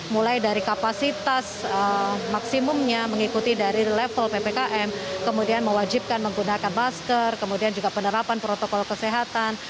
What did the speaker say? mulai dari kapasitas maksimumnya mengikuti dari level ppkm kemudian mewajibkan menggunakan masker kemudian juga penerapan protokol kesehatan